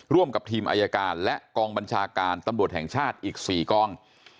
ร่วมกับทีมอายการและกองบัญชาการตำรวจแห่งชาติอีก๔กอง